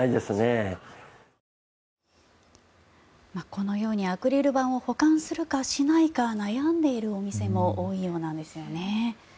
このようにアクリル板を保管するかしないか悩んでいるお店も多いようなんですよね。